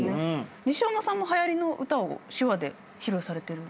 西山さんもはやりの歌を手話で披露されてる？